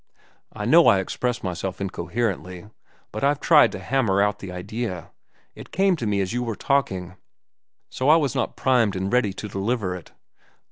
"I know I express myself incoherently, but I've tried to hammer out the idea. It came to me as you were talking, so I was not primed and ready to deliver it.